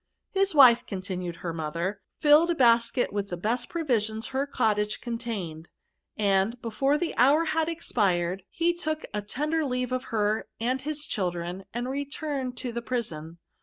" His wife," continued her mother, " filled a basket with the best provisions her cottage contained ; and, before the hour had expired, B B 278 YERB^. he took a tender leasee of her and bis chil dren, and returned to the prison.